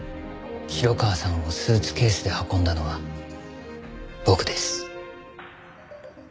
城川さんをスーツケースで運んだのは僕です。